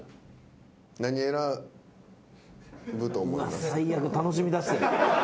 何選ぶと思います？